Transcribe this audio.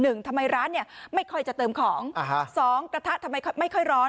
หนึ่งทำไมร้านเนี่ยไม่ค่อยจะเติมของอ่าฮะสองกระทะทำไมไม่ค่อยร้อน